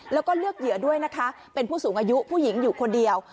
แล้วก็เลือกเหยื่อด้วยนะคะเป็นผู้สูงอายุผู้หญิงอยู่คนเดียว